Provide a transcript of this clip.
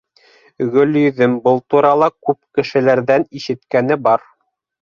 Гөлйөҙөм был турала күп кешеләрҙән ишеткәне бар.